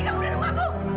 pergi kamu udah nunggu aku